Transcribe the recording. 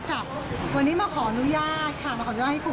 ให้เขาไปช่วยเราบริหารจัดการคนให้อยู่